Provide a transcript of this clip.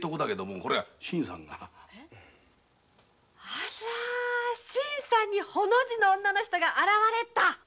あら新さんにホの字の女の人が現れたの。